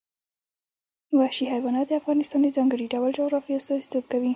وحشي حیوانات د افغانستان د ځانګړي ډول جغرافیه استازیتوب کوي.